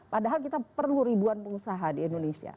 padahal kita perlu ribuan pengusaha di indonesia